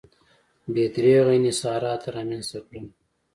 بې دریغه انحصارات رامنځته کړل.